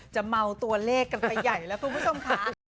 เมาตัวเลขกันไปใหญ่แล้วคุณผู้ชมค่ะ